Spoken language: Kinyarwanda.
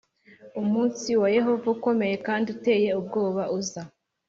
umunsi wa Yehova ukomeye kandi uteye ubwoba uza